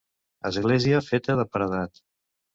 Església feta de paredat.